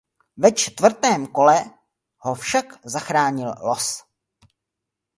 Ve čtvrtém kole ho však zachránil volný los.